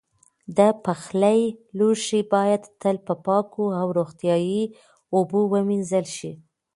د پخلي لوښي باید تل په پاکو او روغتیایي اوبو ومینځل شي.